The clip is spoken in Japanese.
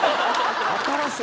新しい！